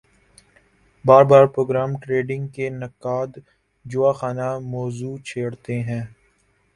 باربار programme trading کے نقّاد جواخانہ موضوع چھیڑتے ہیں